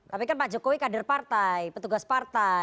tapi kan pak jokowi kader partai petugas partai